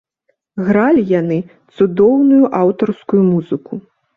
Гралі яны цудоўную аўтарскую музыку.